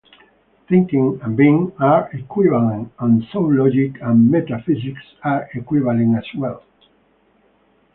Thinking and being are equivalent, and so logic and metaphysics are equivalent as well.